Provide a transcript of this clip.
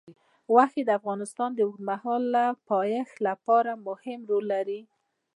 غوښې د افغانستان د اوږدمهاله پایښت لپاره مهم رول لري.